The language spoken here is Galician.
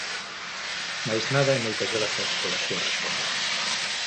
Máis nada e moitas grazas polas súas repostas.